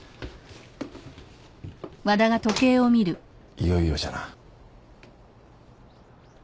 いよいよじゃな。